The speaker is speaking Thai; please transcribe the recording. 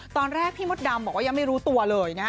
ตอนแรกพี่มดดำบอกว่ายังไม่รู้ตัวเลยนะฮะ